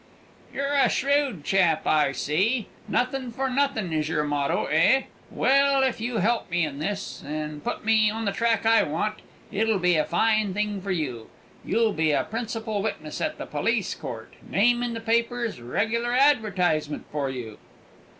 "You're a shrewd chap, I see; 'nothing for nothing' is your motto, eh? Well, if you help me in this, and put me on the track I want, it'll be a fine thing for you. You'll be a principal witness at the police court; name in the papers; regular advertisement for you!"